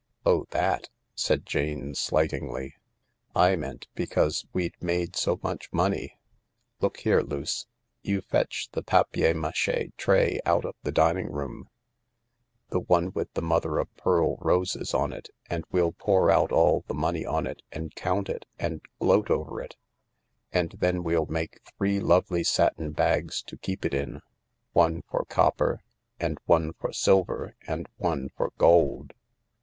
''Oh— that/ " said Jane slightingly. " J meant because we'd made so much money t Look h&re, Luce, you fetch the papier machfe tray out of the dining room— the one with the mother of pearl roses on it— and we'll pour out all the money on it, and count it, and gloat over it ; and then we'll THE LARK 89 itiafce three lotely satin bags to keef> it ift ^mfc for copper and one for silver afid one for gold."